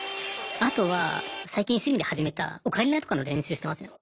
あとは最近趣味で始めたオカリナとかの練習してますね。